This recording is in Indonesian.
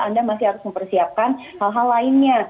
anda masih harus mempersiapkan hal hal lainnya